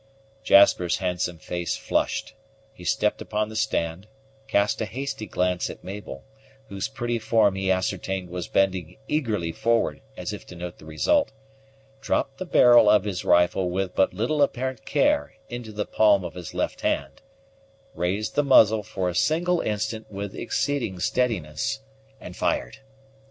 Jasper's handsome face flushed, he stepped upon the stand, cast a hasty glance at Mabel, whose pretty form he ascertained was bending eagerly forward as if to note the result, dropped the barrel of his rifle with but little apparent care into the palm of his left hand, raised the muzzle for a single instant with exceeding steadiness, and fired.